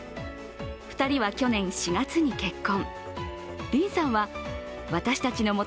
２人は去年４月に結婚。